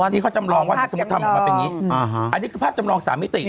อันนี้เขาจำลองว่าถ้าสมมุติทำออกมาเป็นอย่างนี้อันนี้คือภาพจำลอง๓มิติ